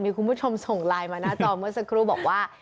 มีคุณผู้ชมส่งไลน์มาหน้าจอเมื่อสักครู่บอกว่า